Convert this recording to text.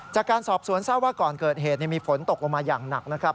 จากการสอบสวนทราบว่าก่อนเกิดเหตุมีฝนตกลงมาอย่างหนักนะครับ